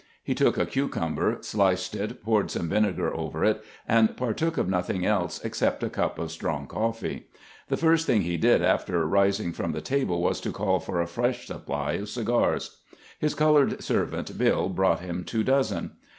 He took a cucumber, sliced it, poured some vinegar over it, and partook of nothing else except a cup of strong coffee. The first thing he did after rising from the table was to call for a fresh supply of cigars. His colored servant " Bill " brought him two dozen.